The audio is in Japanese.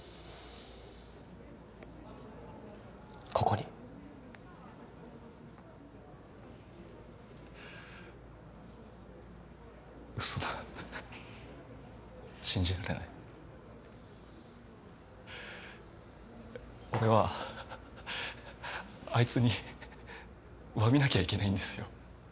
ここに嘘だ信じられない俺はあいつに詫びなきゃいけないんですよ